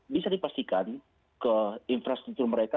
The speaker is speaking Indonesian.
bisa dipastikan ke infrastruktur mereka